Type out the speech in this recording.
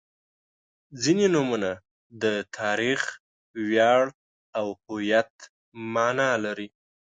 • ځینې نومونه د تاریخ، ویاړ او هویت معنا لري.